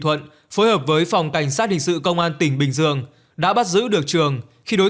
thuận phối hợp với phòng cảnh sát hình sự công an tỉnh bình dương đã bắt giữ được trường khi đối